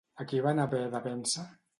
A qui van haver de vèncer?